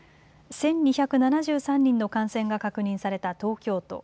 １２７３人の感染が確認された東京都。